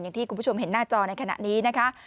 อย่างที่คุณผู้ชมเห็นหน้าจอในขณะนี้นะคะ